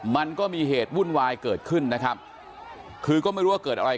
มันก็มีเหตุวุ่นวายเกิดขึ้นนะครับคือก็ไม่รู้ว่าเกิดอะไร